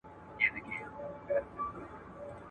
ایا په راتلونکي کې به د یوې ښځینه شاعرې ورځ ولرو؟